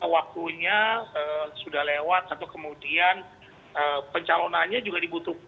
waktunya sudah lewat atau kemudian pencalonannya juga dibutuhkan